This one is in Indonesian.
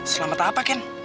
selamat apa ken